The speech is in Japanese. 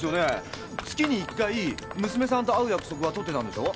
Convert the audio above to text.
月に一回娘さんと会う約束は取ってたんでしょう？